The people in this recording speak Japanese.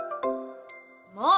もう！